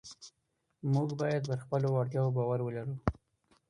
موږ باید پر خپلو وړتیاوو باور ولرو